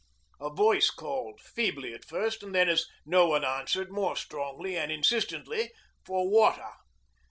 A voice called, feebly at first, and then, as no one answered, more strongly and insistently, for water.